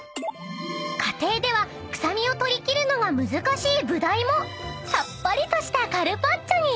［家庭では臭みを取り切るのが難しいブダイもさっぱりとしたカルパッチョに］